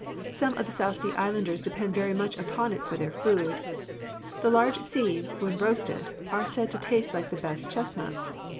Some of the South Sea islanders depend very much upon it for their food. The large seeds, when roasted, are said to taste like the best chestnuts.